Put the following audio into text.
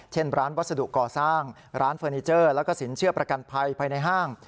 เช่นร้านวัสดุก่อสร้างร้านเฟอร์นิเจอร์แล้วก็สินเชื่อประกันภัยภายในห้าง